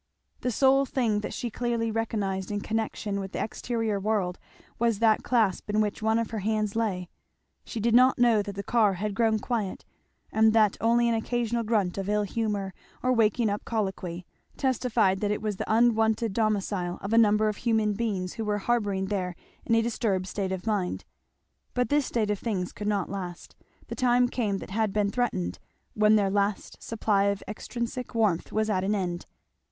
The sole thing that she clearly recognized in connection with the exterior world was that clasp in which one of her hands lay. She did not know that the car had grown quiet, and that only an occasional grunt of ill humour, or waking up colloquy, testified that it was the unwonted domicile of a number of human beings who were harbouring there in a disturbed state of mind. But this state of things could not last. The time came that had been threatened, when their last supply of extrinsic warmth was at an end.